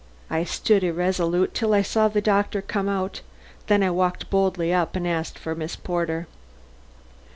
I stood irresolute till I saw the doctor come out; then I walked boldly up and asked for Miss Porter.